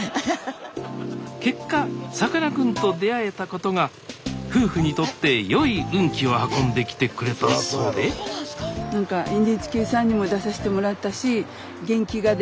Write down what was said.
結果さかなクンと出会えたことが夫婦にとって良い運気を運んできてくれたそうでなんかＮＨＫさんにも出さしてもらったしおお！